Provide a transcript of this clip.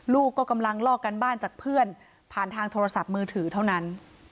ลูกก็กำลังลอกกันบ้านจากเพื่อนผ่านทางโทรศัพท์มือถือเท่านั้น